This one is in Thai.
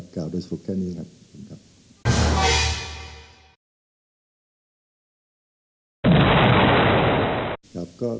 กล่าวโดยสรุปแค่นี้ครับ